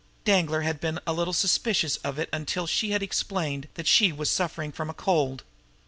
Danglar had been a little suspicious of it until she had explained that she was suffering from a cold.